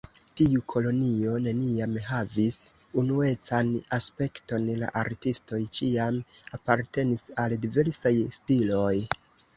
Tiu kolonio neniam havis unuecan aspekton, la artistoj ĉiam apartenis al diversaj stiloj.